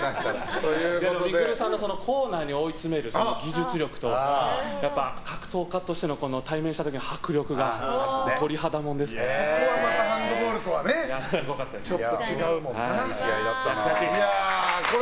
未来さんのコーナーに追い詰める技術力と、格闘家としての対面した時の迫力がそこはまたハンドボールとはちょっと違うもんな。